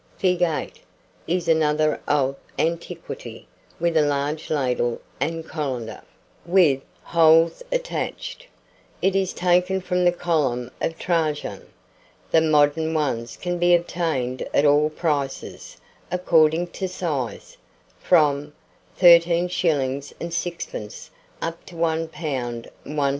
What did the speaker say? Fig. 8 is another of antiquity, with a large ladle and colander, with holes attached. It is taken from the column of Trajan. The modern ones can be obtained at all prices, according to size, from 13s. 6d. up to £1. 1s.